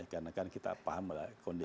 karena kan kita paham kondisi lingkaran kita